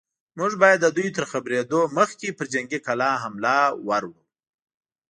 موږ بايد د دوی تر خبرېدو مخکې پر جنګي کلا حمله ور وړو.